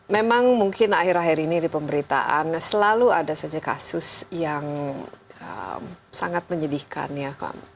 memang mungkin akhir akhir ini di pemberitaan selalu ada saja kasus yang sangat menyedihkan ya